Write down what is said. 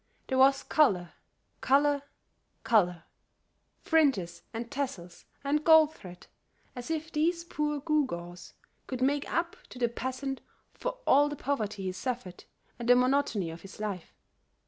There was color, color, color; fringes and tassels and gold thread, as if these poor gewgaws could make up to the peasant for all the poverty he suffered and the monotony of his life.